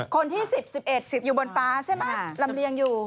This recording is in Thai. คนที่๑๐๑๑๑๐อยู่บนฟ้าใช่ไหมลำเลียงอยู่